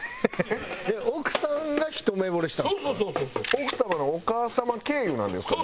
奥様のお母様経由なんですか。